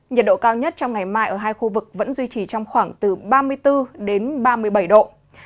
nhiệt độ cao nhất trong ngày mai ở hai khu vực vẫn duy trì trong khoảng từ ba mươi bốn đến ba mươi bảy độ